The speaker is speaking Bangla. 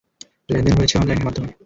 লেনদেন হয়েছে অনলাইনের মাধ্যমে।